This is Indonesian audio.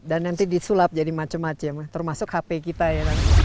dan nanti disulap jadi macem macem termasuk hp kita ya